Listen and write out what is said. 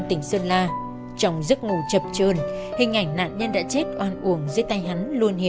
tao là thằng riêng người